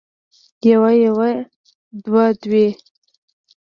يو يوه يوې دوه دوې